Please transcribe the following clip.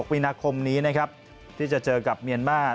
๒๖มีนาคมนี้ที่จะเจอกับเมียนมาร์